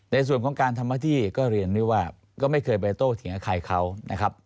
ในส่วนของการทำหน้าที่ก็เรียนด้วยว่าก็ไม่เคยไปโต้เถียงใครเขานะครับ